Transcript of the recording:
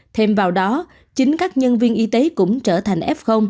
thêm vào đó chính các nhân viên y tế cũng trở thành f